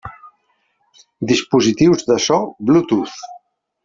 Dispositius de so Bluetooth.